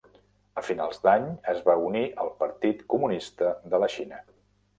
A finals d'any es va unir al Partit Comunista de la Xina.